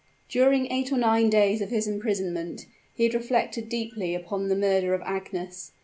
During eight or nine days of his imprisonment, he had reflected deeply upon the murder of Agnes.